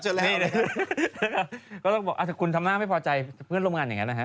หรือไงแล้วก็บอกคุณทำหน้าไม่พอใจเพื่อนร่วมงานไอ้ง่านนะฮะ